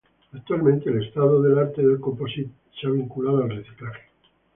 Actualmente el estado del arte del composite se ha vinculado al reciclaje.